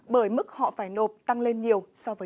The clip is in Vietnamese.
bởi mức họ phải nộp tăng lên nhiều